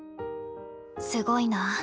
すごいな。